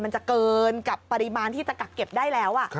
มันจะเกินกับปริมาณที่จะกักเก็บได้แล้ว